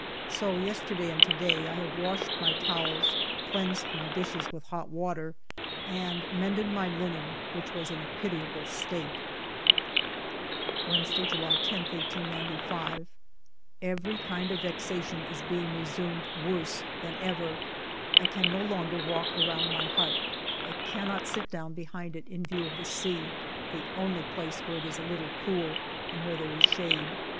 So yesterday and to day I have washed my towels, cleansed my dishes with hot water, and mended my linen, which was in a pitiable state. ALFRED DREYFUS 153 Wednesday^ July 10, 1895. Every kind of vexation is being resumed worse than ever. I can no longer walk around my hut, I cannot sit down behind it in view of the sea, — the only place where it is a little cool, and where there is shade.